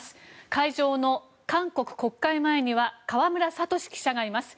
会場の韓国国会前には河村聡記者がいます。